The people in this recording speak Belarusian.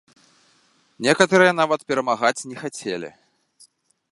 Некаторыя нават перамагаць не хацелі!